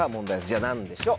じゃあ何でしょう？